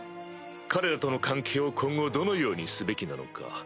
彼らとの関係を今後どのようにすべきなのか。